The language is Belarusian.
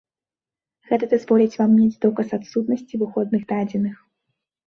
Гэта дазволіць вам мець доказ адсутнасці выходных дадзеных.